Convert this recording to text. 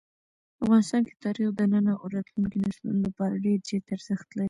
افغانستان کې تاریخ د نن او راتلونکي نسلونو لپاره ډېر زیات ارزښت لري.